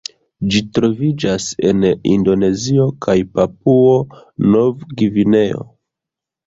Ĝi troviĝas en Indonezio kaj Papuo-Nov-Gvineo.